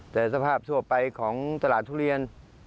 แต่สภาพทั่วไปของตลาดทุเรียน